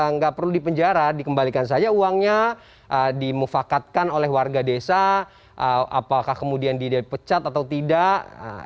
nggak perlu dipenjara dikembalikan saja uangnya dimufakatkan oleh warga desa apakah kemudian dia dipecat atau tidak